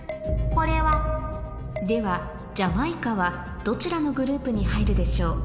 これは？ではジャマイカはどちらのグループに入るでしょう？